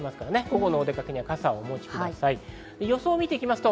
午後のお出かけには傘をお持ちください。